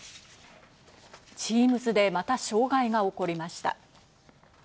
Ｔｅａｍｓで、また障害が起こりました。